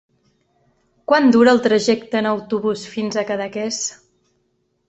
Quant dura el trajecte en autobús fins a Cadaqués?